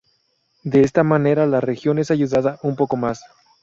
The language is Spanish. De esta manera la región es ayudada un poco más.